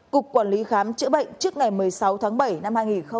cục quản lý khám chữa bệnh trước ngày một mươi sáu tháng bảy năm hai nghìn hai mươi